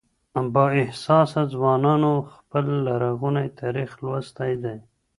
بااحساسه ځوانانو خپل لرغونی تاريخ لوستی دی.